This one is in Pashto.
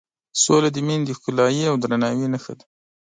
سوله د مینې د ښکلایې او درناوي نښه ده.